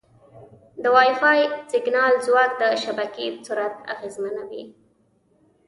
د وائی فای سیګنال ځواک د شبکې سرعت اغېزمنوي.